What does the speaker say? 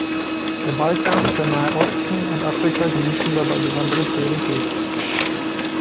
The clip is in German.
Der Balkan, der Nahe Osten und Afrika genießen dabei besondere Priorität.